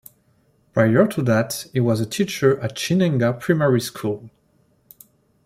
Prior to that he was a teacher at Chinhenga primary school.